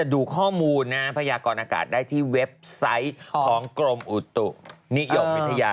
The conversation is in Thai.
ดูข้อมูลนะพยากรอากาศได้ที่เว็บไซต์ของกรมอุตุนิยมวิทยา